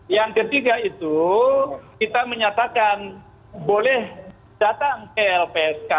yang ketiga itu kita menyatakan boleh datang ke lpsk